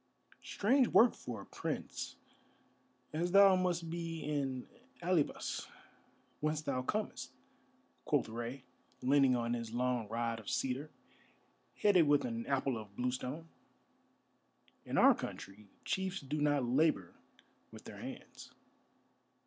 "Strange work for a prince, as thou must be in Alybas, whence thou comest," quoth Rei, leaning on his long rod of cedar, headed with an apple of bluestone. "In our country chiefs do not labour with their hands."